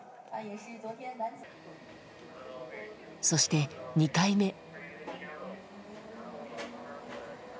そして、２回目。